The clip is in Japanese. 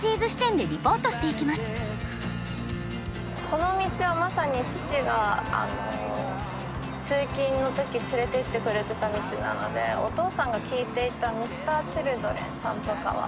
この道はまさに父が通勤の時連れていってくれてた道なのでお父さんが聴いていたＭｒ．Ｃｈｉｌｄｒｅｎさんとかは。